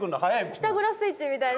ピタゴラスイッチみたいな。